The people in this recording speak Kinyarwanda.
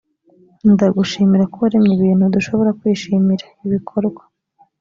ndagushimira ko waremye ibintu dushobora kwishimira ibikorwa